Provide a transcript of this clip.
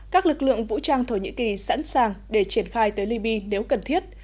các lực lượng vũ trang thổ nhĩ kỳ sẵn sàng để triển khai tới libya nếu cần thiết